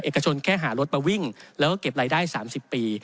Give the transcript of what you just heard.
เอกชนแค่หารถมาวิ่งแล้วก็เก็บรายได้๓๐ปี